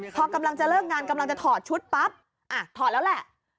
พอกำลังจะเลิกงานกำลังจะถอดชุดปั๊บอ่ะถอดแล้วแหละ